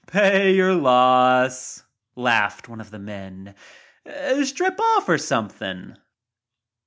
"Pay your loss," laughed one of the men. "Strip off something."